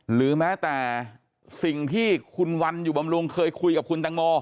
หรือแม้แต่สิ่งที่คุณวันอยู่บำรุงเคยคุยกับคุณตังโม